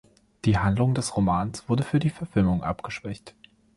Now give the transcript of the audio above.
Die Handlung des Romans wurde für die Verfilmung abgeschwächt.